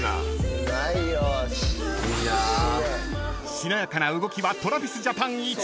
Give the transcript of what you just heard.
［しなやかな動きはＴｒａｖｉｓＪａｐａｎいち！］